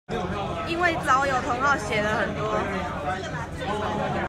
因為早有同好寫了很多